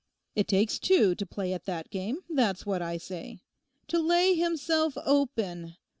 It takes two to play at that game, that's what I say. To lay himself open!